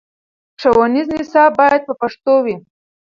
ښوونیز نصاب باید په پښتو وي.